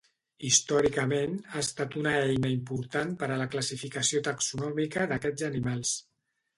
Històricament, ha estat una eina important per a la classificació taxonòmica d'aquests animals.